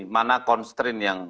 mana constraint yang